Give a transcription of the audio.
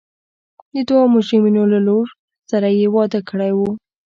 د دوو مجرمینو له لور سره یې واده کړی و.